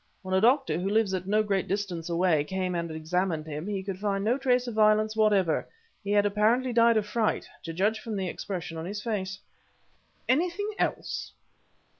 When a doctor, who lives at no great distance away, came and examined him, he could find no trace of violence whatever; he had apparently died of fright, to judge from the expression on his face." "Anything else?"